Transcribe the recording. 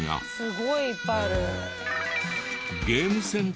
すごいいっぱいある。